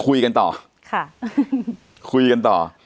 คุยกันต่อคุยกันต่อครับ